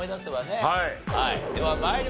はい。